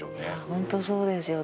本当そうですよ。